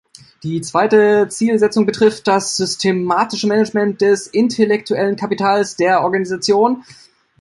Die zweite Zielsetzung betrifft das systematische Management des intellektuellen Kapitals der Organisation.